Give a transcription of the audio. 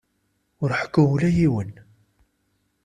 Ur ḥekku ula i yiwen!